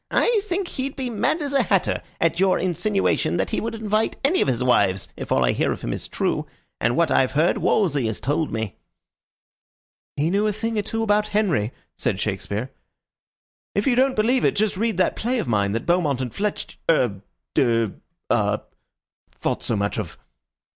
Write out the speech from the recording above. "I think he'd be as mad as a hatter at your insinuation that he would invite any of his wives, if all I hear of him is true; and what I've heard, Wolsey has told me." "He knew a thing or two about Henry," said Shakespeare. "If you don't believe it, just read that play of mine that Beaumont and Fletcher er ah thought so much of."